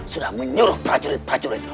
sudah menyuruh prajurit prajurit